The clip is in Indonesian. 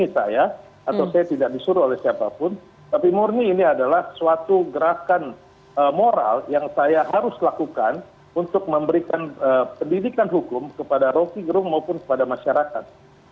tapi murni ini adalah suatu gerakan moral yang saya harus lakukan untuk memberikan pendidikan hukum kepada rokigerung maupun kepada masyarakat